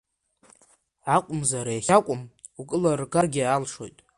Акәымзар иахьакәым укылыргаргьы алшоит…